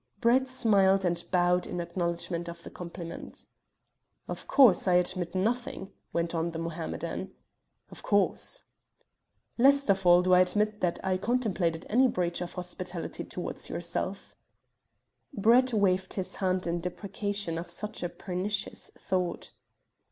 Brett smiled and bowed in acknowledgment of the compliment. "Of course, I admit nothing," went on the Mohammedan. "Of course." "Least of all do I admit that I contemplated any breach of hospitality towards yourself." Brett waved his hand in deprecation of such a pernicious thought.